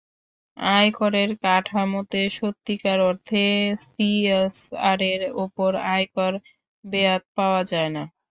আয়করের কাঠামোতে সত্যিকার অর্থে সিএসআরের ওপর আয়কর রেয়াত পাওয়া যায় না।